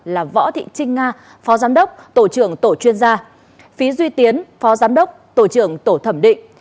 là võ thị trinh nga phó giám đốc tổ trưởng tổ chuyên gia phí duy tiến phó giám đốc tổ trưởng tổ thẩm định